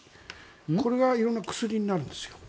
これが色々な薬になるんですよ。